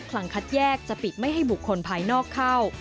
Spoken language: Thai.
ลังคัดแยกจะปิดไม่ให้บุคคลภายนอกเข้า